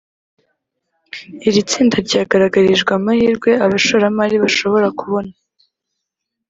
iri tsinda ryagaragarijwe amahirwe abashoramari bashobora kubona